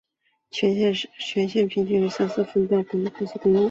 全线均为三线或四线双程分隔快速公路。